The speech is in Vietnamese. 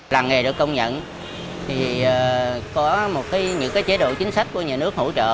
làng nghề được công nhận có những chế độ chính sách của nhà nước hỗ trợ